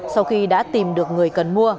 sau khi đã tìm được người cần mua